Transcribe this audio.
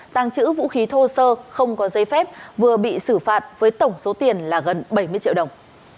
tàng trữ vũ khí thô sơ không có giấy phép vừa bị xử phạt với tổng số tiền là gần bảy mươi triệu đồng